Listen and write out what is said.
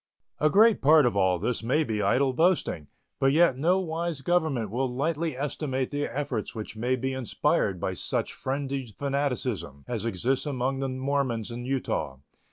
A great part of all this may be idle boasting, but yet no wise government will lightly estimate the efforts which may be inspired by such frenzied fanaticism as exists among the Mormons in Utah.